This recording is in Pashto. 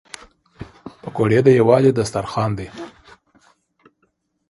پکورې د یووالي دسترخوان دي